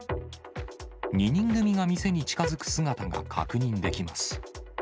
２人組が店に近づく姿が確認できます。